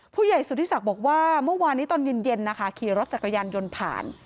ผู้ใหญ่สุธิศักดิ์บอกว่าเมื่อวานนี้ตอนเย็นนะคะขี่รถจักรยานยนต์ผ่าน